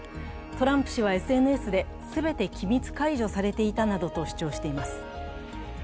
トランプ氏はＳＮＳで、すべて機密解除されていたなどと主張しています。